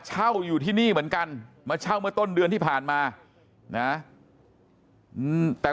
เช่าอยู่ที่นี่เหมือนกันมาเช่าเมื่อต้นเดือนที่ผ่านมานะแต่